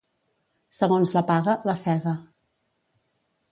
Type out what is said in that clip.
Segons la paga, la sega.